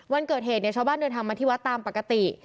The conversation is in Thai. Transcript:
วันเกิดเหตุเนี่ยชาวบ้านเดินทางมาที่วัดตามปกติ